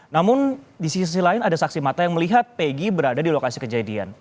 namun di sisi lain ada saksi mata yang melihat peggy berada di lokasi kejadian